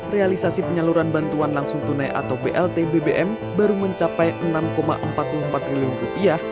realisasi penyaluran bantuan langsung tunai atau blt bbm baru mencapai enam empat puluh empat triliun rupiah